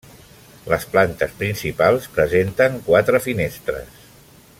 Les plantes principals presenten quatre finestres.